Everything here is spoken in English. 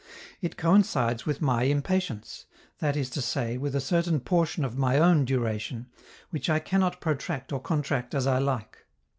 It coincides with my impatience, that is to say, with a certain portion of my own duration, which I cannot protract or contract as I like.